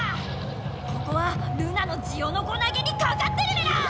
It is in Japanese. ここはルナのジオノコなげにかかってるメラ！